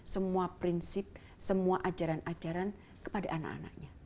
semua prinsip semua ajaran ajaran kepada anak anaknya